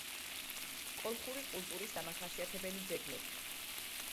კოლხური კულტურის დამახასიათებელი ძეგლები